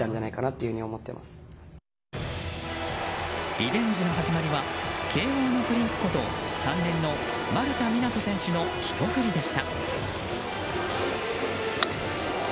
リベンジの始まりは慶應のプリンスこと３年の丸田湊斗選手のひと振りでした。